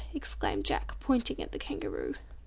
exclaimed Jack, pointing at the Kangaroo.